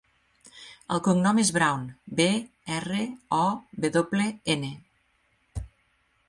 El cognom és Brown: be, erra, o, ve doble, ena.